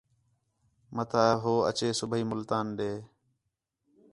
مَتا ہو اَچے صُبیح ملتان ݙے